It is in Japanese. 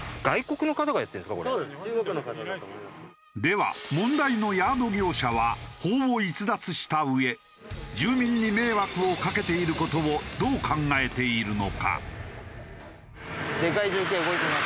では問題のヤード業者は法を逸脱したうえ住民に迷惑をかけている事をどう考えているのか？